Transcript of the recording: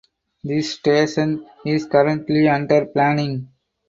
This station is currently under planning.